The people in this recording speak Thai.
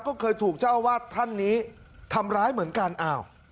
ก็เคยถูกเจ้าอาวาสท่านนี้ทำร้ายเหมือนกันอ้าว